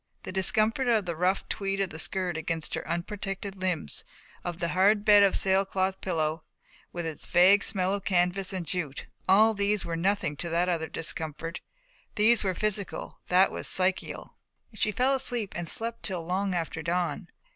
The discomfort of the rough tweed of the skirt against her unprotected limbs, of the hard bed, of the sailcloth pillow with its vague smell of canvas and jute, all these were nothing to that other discomfort. These were physical, that was psychical. She fell asleep and slept till long after dawn.